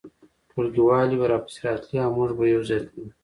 ټولګیوالې به راپسې راتلې او موږ به یو ځای تلو